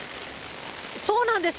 そうなんです。